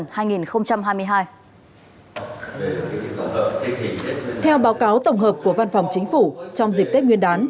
theo báo cáo tổng hợp của văn phòng chính phủ trong dịp tết nguyên đán